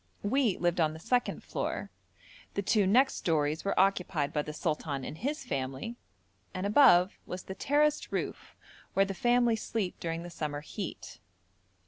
We lived on the second floor, the two next stories were occupied by the sultan and his family, and above was the terraced roof where the family sleep during the summer heat.